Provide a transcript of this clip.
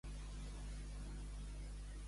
Actualment juga a Hanley Swan.